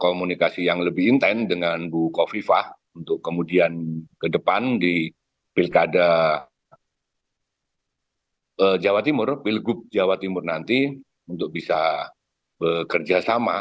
komunikasi yang lebih intent dengan bu kofifah untuk kemudian ke depan di pilkada jawa timur pilgub jawa timur nanti untuk bisa bekerja sama